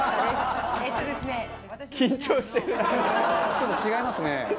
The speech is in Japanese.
ちょっと違いますね。